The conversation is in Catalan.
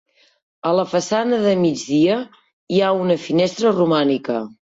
A la façana de migdia hi ha una finestra romànica.